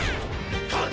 あっ！